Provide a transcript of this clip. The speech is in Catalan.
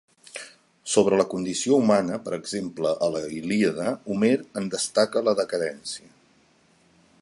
Sobre la condició humana, per exemple, a la Ilíada, Homer en destaca la decadència.